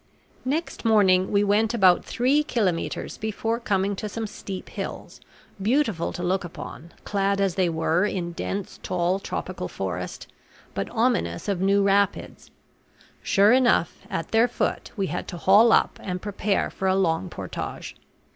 Next morning we went about three kilometers before coming to some steep hills, beautiful to look upon, clad as they were in dense, tall, tropical forest, but ominous of new rapids. Sure enough, at their foot we had to haul up and prepare for a long portage.